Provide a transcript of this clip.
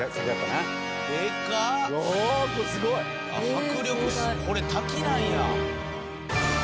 迫力これ滝なんや。